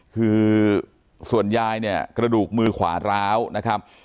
คือส่วนยายเนี่ยกระดูกมือขวาร้าวนะครับ